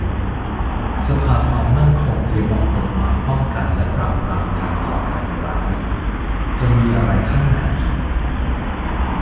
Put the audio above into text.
สภาความมั่นคงเตรียมออกกฎหมายป้องกันและปราบปรามการก่อการร้าย - จะมีอะไรข้างในอีก